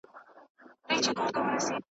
د ارغوان له خاطرو مي راوتلي عطر .